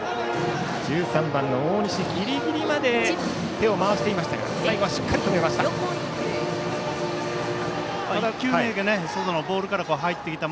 １３番の大西、ギリギリまで手を回していましたが最後はしっかり止めました。